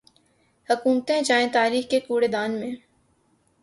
حکومتیں جائیں تاریخ کے کوڑے دان میں۔